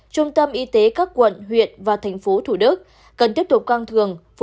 trung tâm y tế các quận huyện và thành phố thủ đức cần tiếp tục căng cường